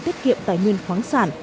tiết kiệm tài nguyên khoáng sản